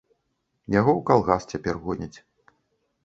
Яго ў калгас цяпер гоняць.